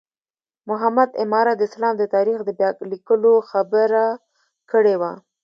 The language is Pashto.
محمد عماره د اسلام د تاریخ د بیا لیکلو خبره کړې وه.